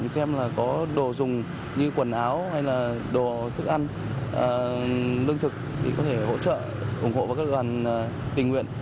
xem là có đồ dùng như quần áo hay là đồ thức ăn lương thực để có thể hỗ trợ ủng hộ các bạn tình nguyện